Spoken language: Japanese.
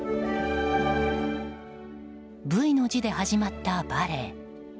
Ｖの字で始まったバレエ。